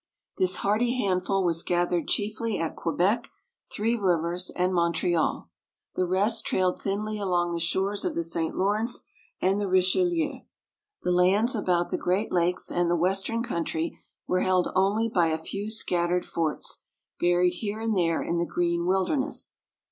This hardy handful was gathered chiefly at Quebec, Three Rivers, and Montreal. The rest trailed thinly along the shores of the St. Lawrence and the Richelieu. The lands about the Great Lakes, and the western country, were held only by a few scattered forts, buried here and there in the green wilderness.